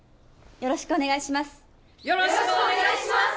よろしくお願いします！